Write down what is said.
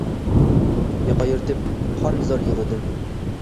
ياقا يىرتىپ قان- زار يىغلىدىم.